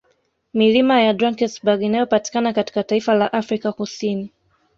Milima ya Drankesberg Inayopatikana katika taifa la Afrika Kusini